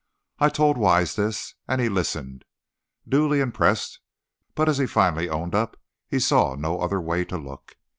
I told Wise this, and he listened, duly impressed, but, as he finally owned up, he saw no other way to look.